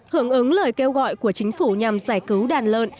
hưởng ứng lời kêu gọi của chính phủ nhằm giải cứu đàn lợn